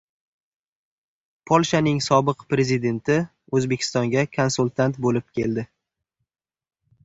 Polshaning sobiq prezidenti O‘zbekistonga konsultant bo‘lib keldi